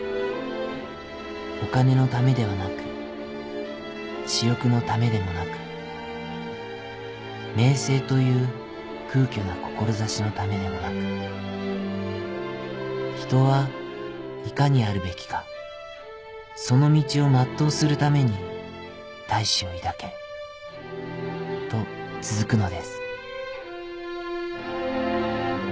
お金のためではなく私欲のためでもなく名声という空虚な志のためでもなく人はいかにあるべきかその道を全うするために大志を抱け』と続くのです」